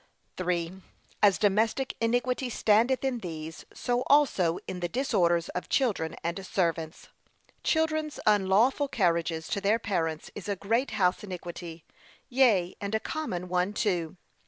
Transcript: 3. As domestic iniquity standeth in these, so also in the disorders of children and servants. Children's unlawful carriages to their parents is a great house iniquity; yea, and a common one too.